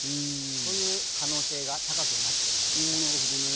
そういう可能性が高くなってきました。